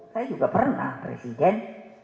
saya juga pernah presiden